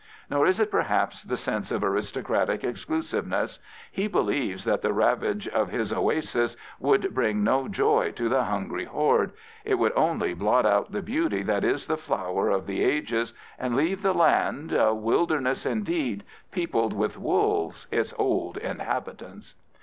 Nor is it, perhaps, the sense of aristocratic exclusiveness. He believes that the ravage of his oasis would bring no joy to the hungry horde. It would only blot out the beauty that is the flower of the ages and leave the land A wilderness indeed, Peopled with wolves, its old inhabitants.